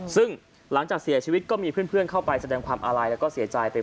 ซึ่งหลังจากเสียชีวิตก็มีเพื่อนเข้าไปแสดงความอาลัยแล้วก็เสียใจไป